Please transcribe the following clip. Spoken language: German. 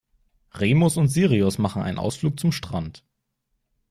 Remus und Sirius machen einen Ausflug zum Strand.